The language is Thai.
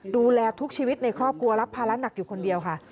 ดูแลทุกชีวิตในครอบครัวรับภาระหนักอยู่คนเดียวค่ะ